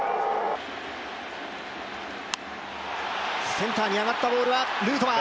センターに上がったボールはヌートバー。